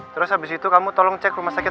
terus habis itu kamu tolong cek rumah sakit